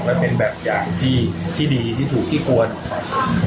และเป็นแบบอย่างที่ดีที่ถูกที่ปวดขัว